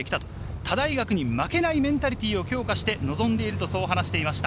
他大学には負けないメンタリティーを持って臨んでいると話しています。